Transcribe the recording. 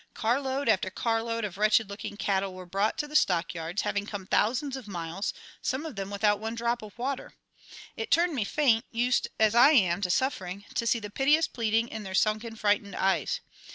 "Carload after carload of wretched looking cattle were brought to the stock yards, having come thousands of miles, some of them without one drop of water. It turned me faint, used as I am to suffering, to see the piteous pleading in their sunken, frightened eyes.